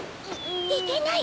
いけない！